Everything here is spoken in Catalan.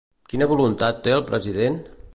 Quina voluntat té el president?